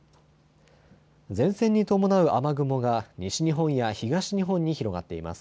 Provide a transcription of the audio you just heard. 前線に伴う雨雲が西日本や東日本に広がっています。